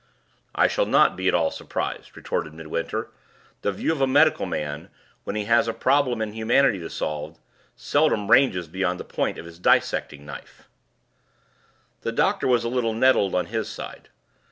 "I shall not be at all surprised," retorted Midwinter. "The view of a medical man, when he has a problem in humanity to solve, seldom ranges beyond the point of his dissecting knife." The doctor was a little nettled on his side.